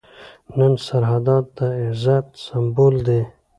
نن سرحدات د عزت سمبول دي.